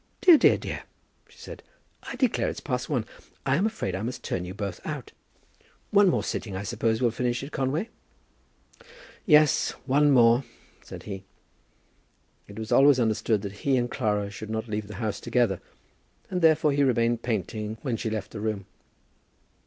"Dear, dear, dear," she said, "I declare it's past one. I'm afraid I must turn you both out. One more sitting, I suppose, will finish it, Conway?" "Yes, one more," said he. It was always understood that he and Clara should not leave the house together, and therefore he remained painting when she left the room.